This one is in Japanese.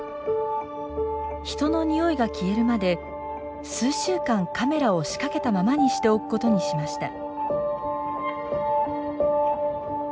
人のニオイが消えるまで数週間カメラを仕掛けたままにしておくことにしました。